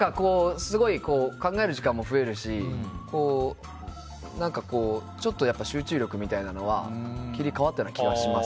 すごい考える時間も増えるしちょっと集中力みたいなのは切り替わったと思います。